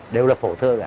đều là phổ thơ